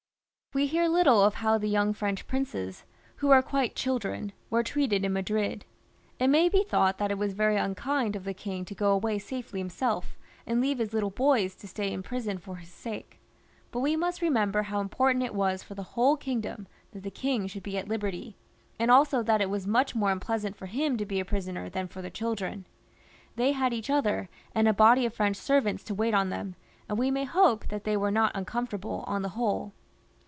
We hear little of how the young French princes, who were quite children, were treated in Madrid. It may be thought that it was very unkind of the king to go away safely himself and leave his little boys to stay in prison for his sake ; but we must remember how important it was for the whole kingdom that the king should be at liberty, and also that it was much more unpleasant for him to be a prisoner than for the children. They had each other, and a body of French servants to wait on them, and we may hope that they were not imcomfortable, on the whole.